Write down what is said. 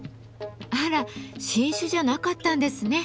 あら新種じゃなかったんですね。